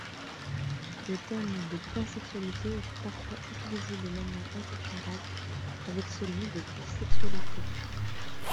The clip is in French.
Le terme de pansexualité est parfois utilisé de manière interchangeable avec celui de bisexualité.